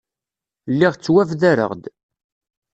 Lliɣ ttwabdareɣ-d.